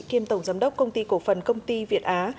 kiêm tổng giám đốc công ty cổ phần công ty việt á